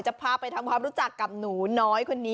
จะพาไปทำเพราะวันรู้จักกับหนูน้อยคนนี้